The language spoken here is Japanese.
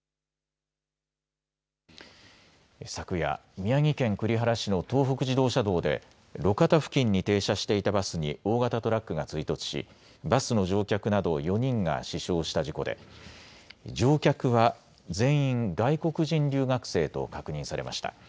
昨夜、宮城県栗原市の東北自動車道で路肩付近に停車していたバスに大型トラックが追突しバスの乗客など４人が死傷した事故で乗客は全員外国人留学生と確認されました。